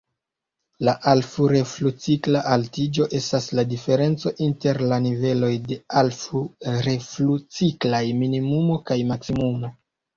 La "alflu-reflu-cikla altiĝo" estas la diferenco inter la niveloj de alflu-reflu-ciklaj minimumo kaj maksimumo.